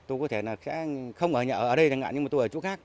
tôi có thể là sẽ không ở nhà ở đây nhưng mà tôi ở chỗ khác